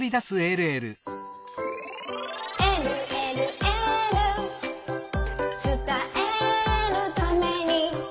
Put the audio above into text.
「えるえるエール」「つたえるために」